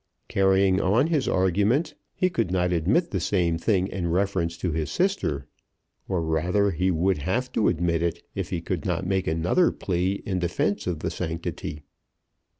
Carrying on his arguments, he could not admit the same thing in reference to his sister; or rather, he would have to admit it if he could not make another plea in defence of the sanctity.